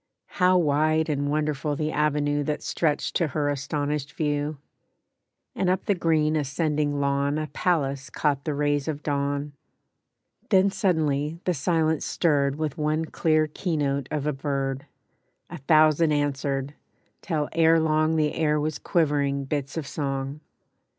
How wide And wonderful the avenue That stretched to her astonished view! And up the green ascending lawn A palace caught the rays of dawn. Then suddenly the silence stirred With one clear keynote of a bird; A thousand answered, till ere long The air was quivering bits of song.